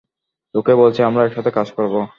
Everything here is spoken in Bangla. তোকে বলছি, আমরা একসাথে কাজ করবো।